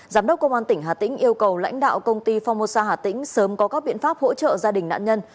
giám đốc công an tỉnh hà tĩnh yêu cầu lãnh đạo công ty phongmosa hà tĩnh sớm có các biện pháp hỗ trợ gia đình nạn nhân